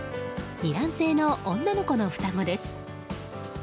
二卵性の女の子の双子です。